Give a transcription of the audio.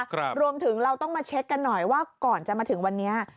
ครับรวมถึงเราต้องมาเช็คกันหน่อยว่าก่อนจะมาถึงวันนี้